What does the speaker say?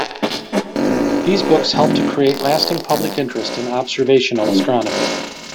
These books helped to create lasting public interest in observational astronomy.